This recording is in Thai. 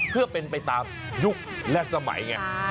เพื่อเป็นไปตามยุคและสมัยไง